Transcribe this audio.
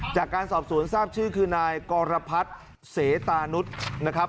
จากการสอบสวนทราบชื่อคือนายกรพัฒน์เสตานุษย์นะครับ